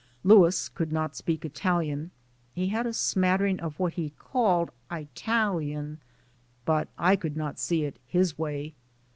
Louis could not speak Italian; he had a smattering of what he called "italien," but I could not see it his way.